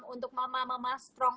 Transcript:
untuk mama mama strong